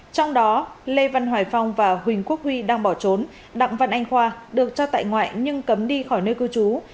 trong đó lê văn hoài phong và huỳnh quốc huy đang bỏ trốn đặng văn anh khoa được cho tại ngoại nhưng cấm đi khỏi nơi cư trú